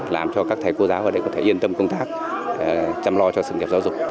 làm cho các thầy cô giáo ở đây có thể yên tâm công tác chăm lo cho sự nghiệp giáo dục